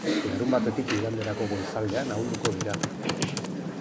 Larunbatetik iganderako goizaldean ahulduko dira.